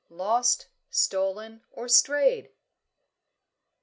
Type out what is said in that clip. "LOST, STOLEN, OR STRAYED!"